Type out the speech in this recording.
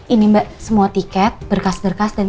ini mbak semua tiket berkas berkas dan